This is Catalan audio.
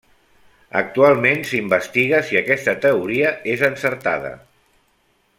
Actualment s'investiga si aquesta teoria és encertada.